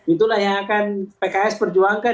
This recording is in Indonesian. itulah yang akan pks perjuangkan